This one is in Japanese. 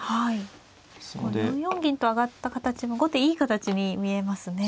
４四銀と上がった形も後手いい形に見えますね。